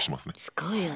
すごいよね。